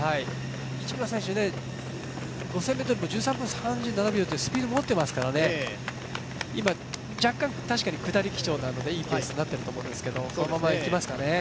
市村選手、５０００ｍも１３分３７秒というスピードも持っていますから、今若干確かに下り基調なのでいいペースだと思うのでこのままいきますかね。